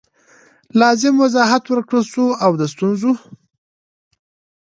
لازم وضاحت ورکړل سو او د ستونزو